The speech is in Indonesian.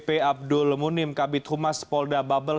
bp abdul munim kabit humas polda bubble